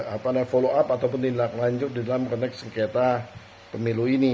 apa namanya follow up ataupun dilanjut di dalam koneksiketa pemilu ini